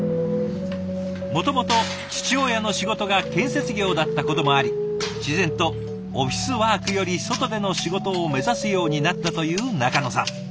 もともと父親の仕事が建設業だったこともあり自然とオフィスワークより外での仕事を目指すようになったという仲野さん。